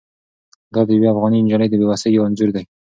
دا د یوې افغانې نجلۍ د بې وسۍ یو انځور دی.